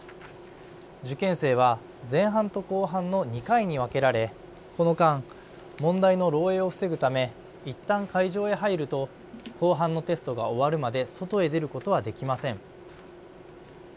受験生は前半と後半の２回に分けられ、この間、問題の漏えいを防ぐためいったん会場へ入ると後半のテストが終わるまで外へ出ることはできません。